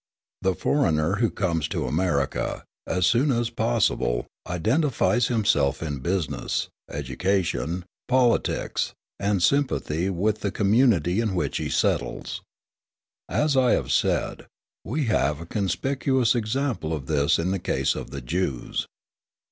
The foreigner who comes to America, as soon as possible, identifies himself in business, education, politics, and sympathy with the community in which he settles. As I have said, we have a conspicuous example of this in the case of the Jews.